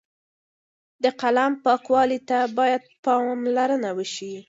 د قلم پاکوالۍ ته باید پاملرنه وشي.